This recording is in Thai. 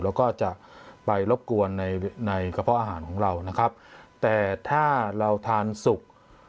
และจะไปรบกวนในกระเพาะอาหารแต่ถ้าเราทานสุก